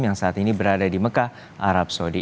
yang saat ini berada di mekah arab saudi